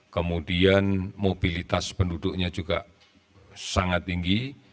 kemudian mobilitas penduduknya juga sangat tinggi